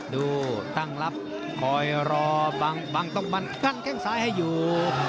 ดูตั้งรับคอยรอบังต้องกั้นแข้งซ้ายให้อยู่